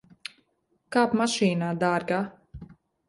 Kāp mašīnā, dārgā.